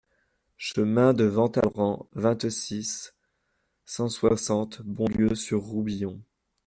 Chemin de Ventabren, vingt-six, cent soixante Bonlieu-sur-Roubion